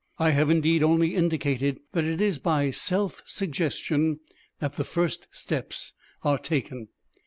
I have indeed only indicated that it is by self suggestion that the first steps are taken.